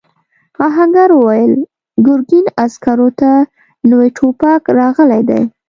آهنګر وویل ګرګین عسکرو ته نوي ټوپک راغلی دی.